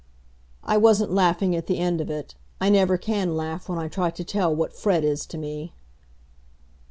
I wasn't laughing at the end of it. I never can laugh when I try to tell what Fred is to me.